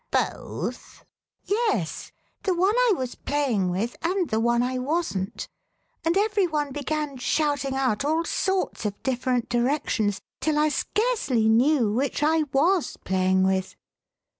*' Both ?"Yes, the one I was playing with and the one I wasn't. And every one began shouting out all sorts of different directions till I scarcely knew which I was playing with.